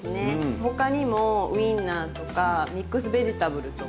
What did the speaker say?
他にもウインナーとかミックスベジタブルとか。